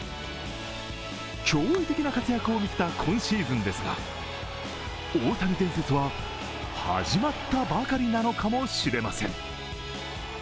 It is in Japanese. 驚異的な活躍を見せた今シーズンですが、大谷伝説は、始まったばかりなのかもしれません。